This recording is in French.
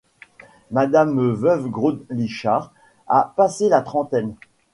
Madame veuve Groslichard a passé la trentaine.